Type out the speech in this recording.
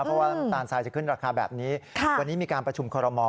เพราะว่าน้ำตาลทรายจะขึ้นราคาแบบนี้วันนี้มีการประชุมคอรมอ